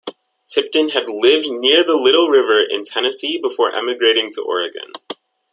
Tipton had lived near the Little River in Tennessee before emigrating to Oregon.